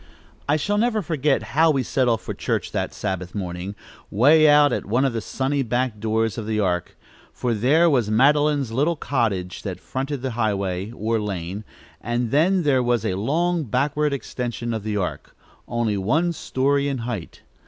I shall never forget how we set off for church that Sabbath morning, way out at one of the sunny back doors of the Ark: for there was Madeline's little cottage that fronted the highway, or lane, and then there was a long backward extension of the Ark, only one story in height.